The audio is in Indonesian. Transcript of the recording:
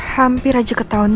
hampir aja ketahuan nino